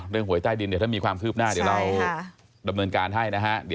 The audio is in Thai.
เรื่องหวยใต้ดินถ้ามีความคืบหน้าเดี๋ยวเราดำเนินการให้นะฮะ